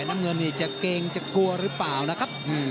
มันจะกลัวหรือเปล่านะครับ